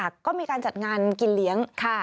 ก็มีการจัดงานกินเลี้ยง